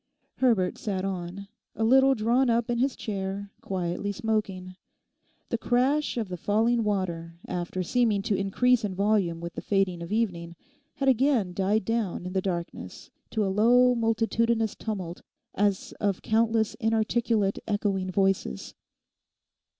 Herbert sat on, a little drawn up in his chair, quietly smoking. The crash of the falling water, after seeming to increase in volume with the fading of evening, had again died down in the darkness to a low multitudinous tumult as of countless inarticulate, echoing voices.